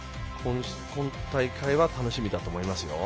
今大会は楽しみだと思います。